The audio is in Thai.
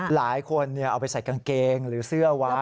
หลายคนเอาไปใส่กางเกงหรือเสื้อไว้